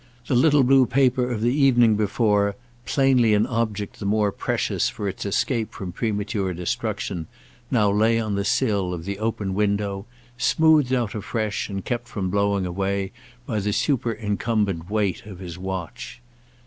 The little blue paper of the evening before, plainly an object the more precious for its escape from premature destruction, now lay on the sill of the open window, smoothed out afresh and kept from blowing away by the superincumbent weight of his watch.